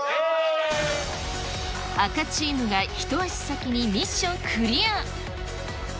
赤チームが一足先にミッショＯＫ！